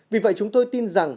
vì vậy chúng tôi tin rằng